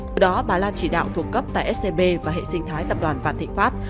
từ đó bà lan chỉ đạo thuộc cấp tại scb và hệ sinh thái tập đoàn vạn thịnh pháp